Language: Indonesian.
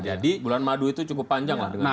jadi bulan madu itu cukup panjang lah